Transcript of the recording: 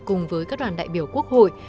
cùng với các đoàn đại biểu quốc hội